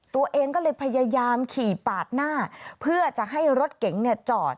ตัวเองก็เลยพยายามขี่ปาดหน้าเพื่อจะให้รถเก๋งจอด